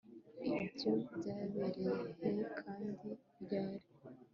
ibyo byabereye he kandi ryari